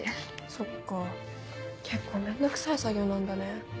そっか結構面倒くさい作業なんだね。